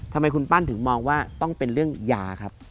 ทำไมคุณปั้นถึงมองว่าต้องเป็นเรื่องยาครับ